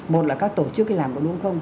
một là các tổ chức làm có đúng không